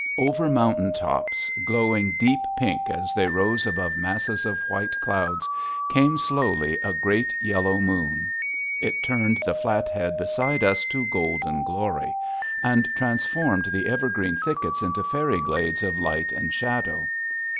Over mountain tops, glowing deep pink as they rose above masses of white clouds, came slowly a great yellow moon. It turned the Flathead beside us to golden glory, and transformed the evergreen thickets into fairy glades of light and shadow.